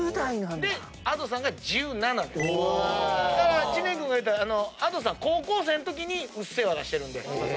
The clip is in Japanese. だから知念君が言うたＡｄｏさん高校生のときに『うっせぇわ』出してるんで。